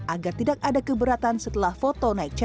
agar tidak ada keberatan setelah foto naik chat